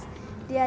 diajarin di produksi